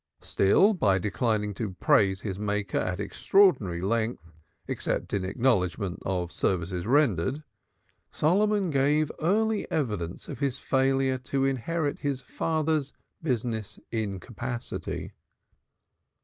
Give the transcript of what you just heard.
Still, by declining to praise his Maker at extraordinary length, except in acknowledgment of services rendered, Solomon gave early evidence of his failure to inherit his father's business incapacity.